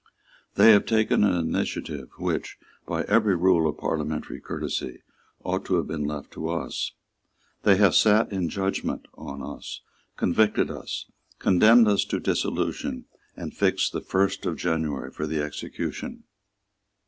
They have taken an initiative which, by every rule of parliamentary courtesy, ought to have been left to us. They have sate in judgment on us, convicted us, condemned us to dissolution, and fixed the first of January for the execution.